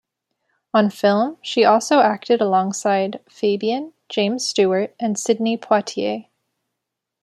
On film, she also acted alongside Fabian, James Stewart and Sidney Poitier.